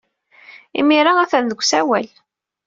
Imir-a, atan deg usawal.